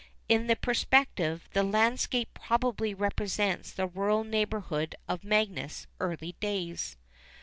In the perspective, the landscape probably represents the rural neighbourhood of Magius's early days.